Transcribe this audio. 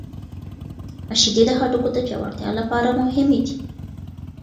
شیدې د هډوکو د پیاوړتیا لپاره مهمې دي.